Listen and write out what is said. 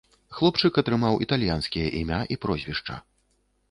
Хлопчык атрымаў італьянскія імя і прозвішча.